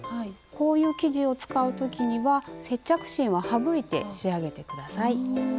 こういう生地を使う時には接着芯を省いて仕上げて下さい。